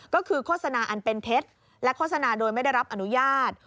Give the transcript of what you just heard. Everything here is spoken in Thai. ก็คือโฆษณาอันเป็นเท็จและโฆษณาโดยไม่ได้รับอนุญาต